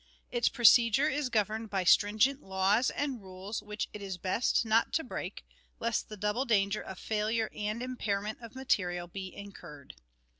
Its procedure is governed by stringent laws and rules which it is best not to break, lest the double danger of failure and impairment of material be incurred.